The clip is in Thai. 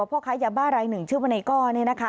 เพราะขายยาบ้าลาย๑ชื่อว่าไนก้อนี่นะคะ